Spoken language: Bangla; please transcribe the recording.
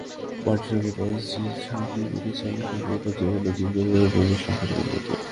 মার্টির সঙ্গে পাঁচটি ছবি করেছি, আমাদের সম্পর্কটা যেকোনো দীর্ঘদিনের প্রেমের সম্পর্কের মতোই।